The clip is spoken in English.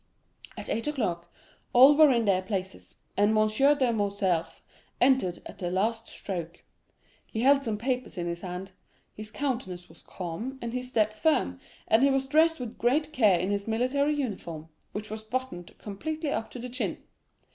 At eight o'clock all were in their places, and M. de Morcerf entered at the last stroke. He held some papers in his hand; his countenance was calm, and his step firm, and he was dressed with great care in his military uniform, which was buttoned completely up to the chin.